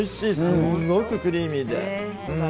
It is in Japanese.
すごいクリーミーで。